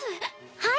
はい！